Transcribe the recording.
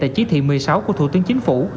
tại chỉ thị một mươi sáu của thủ tướng chính phủ